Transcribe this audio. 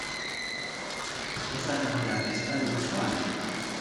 Es la tercera pista de dicho álbum.